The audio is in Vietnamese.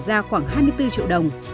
giá khoảng hai mươi bốn triệu đồng